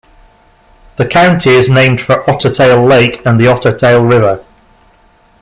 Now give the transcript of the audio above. The county is named for Otter Tail Lake and the Otter Tail River.